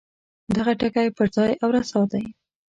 دغه ټکی پر ځای او رسا دی.